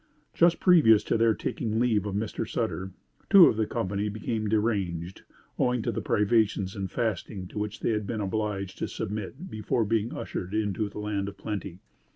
Just previous to their taking leave of Mr. Sutter, two of the company became deranged, owing to the privations and fasting to which they had been obliged to submit before being ushered into a land of plenty.